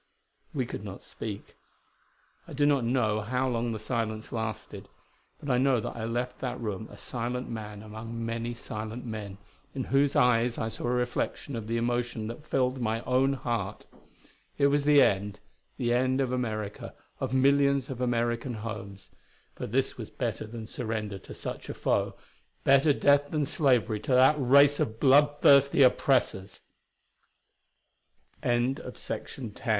'" We could not speak; I do not know how long the silence lasted. But I know that I left that room a silent man among many silent men, in whose eyes I saw a reflection of the emotion that filled my own heart. It was the end the end of America, of millions of American homes but this was better than surrender to such a foe. Better death than slavery to that race of bloodthirsty oppressors. But who was "P